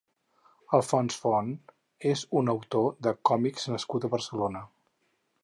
Alfonso Font és un autor de còmics nascut a Barcelona.